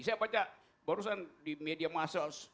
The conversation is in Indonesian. saya baca barusan di media masa